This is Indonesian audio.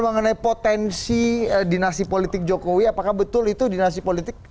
mengenai potensi dinasti politik jokowi apakah betul itu dinasti politik